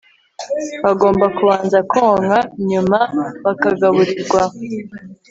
bagomba kubanza konka, nyuma bakagaburirwa